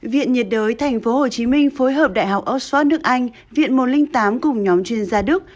viện nhiệt đới tp hcm phối hợp đại học oxford nước anh viện một trăm linh tám cùng nhóm chuyên gia đức